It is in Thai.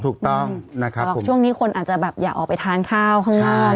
ถูกต้องนะครับบอกช่วงนี้คนอาจจะแบบอย่าออกไปทานข้าวข้างนอก